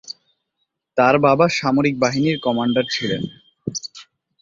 তার বাবা সামরিক বাহিনীর কমান্ডার ছিলেন।